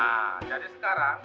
nah jadi sekarang